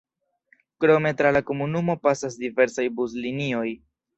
Krome tra la komunumo pasas diversaj buslinioj.